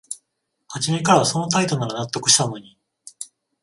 はじめからその態度なら納得したのに